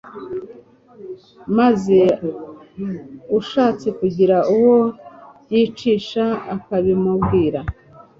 maze ushatse kugira uwo yicisha akabimubwira